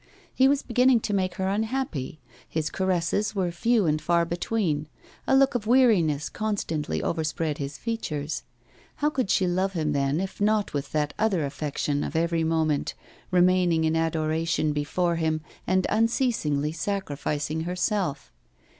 He was beginning to make her unhappy, his caresses were few and far between, a look of weariness constantly overspread his features. How could she love him then if not with that other affection of every moment, remaining in adoration before him, and unceasingly sacrificing herself?